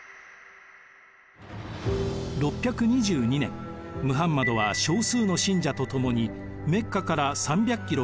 ６２２年ムハンマドは少数の信者とともにメッカから３００キロ